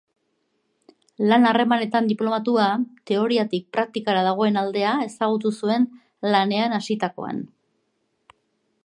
Lan harremanetan diplomatua, teoriatik praktikara dagoen aldea ezagutu zuen lanean hasitakoan.